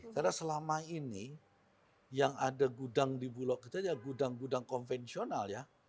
karena selama ini yang ada gudang di bulog kita ya gudang gudang konvensional ya